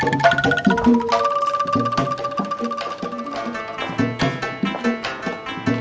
ayo balik teh ada emang kota lihat ini